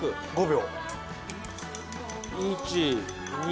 ５秒。